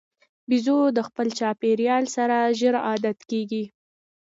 بیزو د خپل چاپېریال سره ژر عادت کېږي.